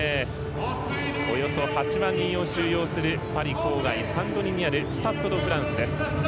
およそ８万人を収容するパリ郊外サンドニにあるスタッド・ド・フランスです。